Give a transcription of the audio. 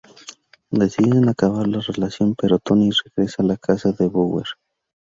Deciden acabar la relación pero Tony regresa a la casa de los Bower.